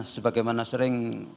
sebagai mana sering